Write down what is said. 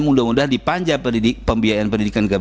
mudah mudahan di panja pembiayaan pendidikan